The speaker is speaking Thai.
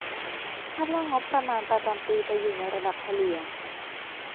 คาดว่างบประมาณประจำปีจะอยู่ในระดับเฉลี่ย